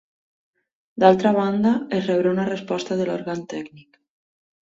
D'altra banda, es rebrà una resposta de l'òrgan tècnic.